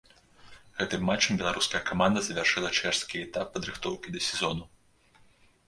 Гэтым матчам беларуская каманда завяршыла чэшскі этап падрыхтоўкі да сезону.